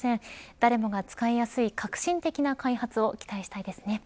誰もが使いやすい革新的な開発を期待したいですね。